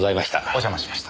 お邪魔しました。